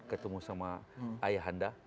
ketemu sama ayahanda